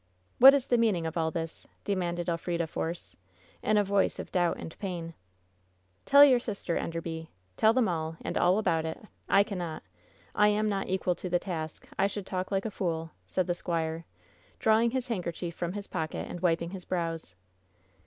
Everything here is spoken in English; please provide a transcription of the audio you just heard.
"What is the meaning of all this?" demanded Elfrida Force, in a voice of doubt and pain. "Tell your sister, Enderby. Tell them all — and all about it! I cannot. I am not equal to the task! I should talk like a fool!" said the squire, drawing his handkerchief from his pocket, and wiping his brows.